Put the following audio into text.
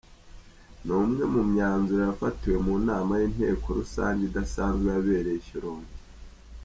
Ni umwe mu myanzuro yafatiwe mu nama y’inteko rusange idasanzwe yabereye i Shyorongi.